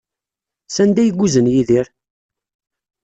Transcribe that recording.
Sanda ay yuzen Yidir?